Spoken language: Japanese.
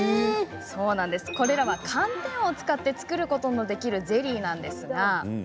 これらは寒天を使って作ることのできるゼリーなのですが。